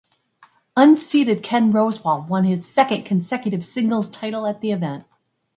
Unseeded Ken Rosewall won his second consecutive singles title at the event.